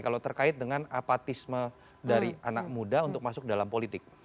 kalau terkait dengan apatisme dari anak muda untuk masuk dalam politik